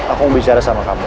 aku mau bicara sama kamu